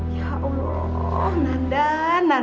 ya allah nanda